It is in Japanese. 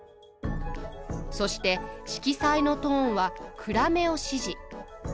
そして色彩のトーンは暗めを指示。